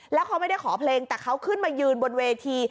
แล้วเขาไม่ได้ขอเพลงแต่เขาขึ้นมายืนบนเวที